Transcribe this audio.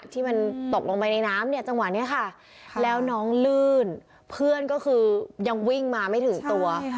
ที่มันตกลงไปในน้ำเนี่ยจังหวะนี้ค่ะแล้วน้องลื่นเพื่อนก็คือยังวิ่งมาไม่ถึงตัว